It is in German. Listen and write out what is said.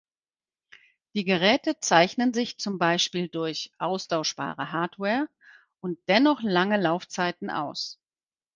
Die Geräte zeichnen sich zum Beispiel durch austauschbare Hardware und dennoch lange Laufzeiten aus.